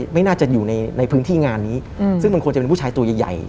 ไม่น่าจะอยู่ในพื้นที่งานนี้ซึ่งมันควรจะเป็นผู้ชายตัวใหญ่